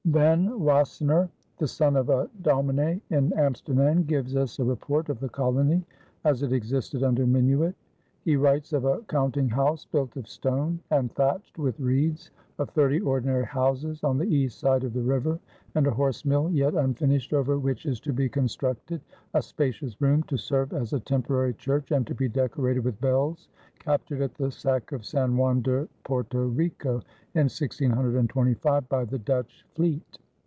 Van Wassenaer, the son of a domine in Amsterdam, gives us a report of the colony as it existed under Minuit. He writes of a counting house built of stone and thatched with reeds, of thirty ordinary houses on the east side of the river, and a horse mill yet unfinished over which is to be constructed a spacious room to serve as a temporary church and to be decorated with bells captured at the sack of San Juan de Porto Rico in 1625 by the Dutch fleet.